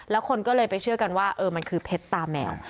แล้วคนก็เลยไปเชื่อกันว่ามันคือเพชรตาแมว